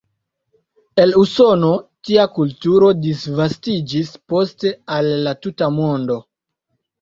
El Usono, tia kulturo disvastiĝis poste al la tuta mondo.